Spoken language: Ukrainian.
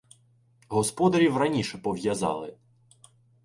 Господарів раніше пов'язали.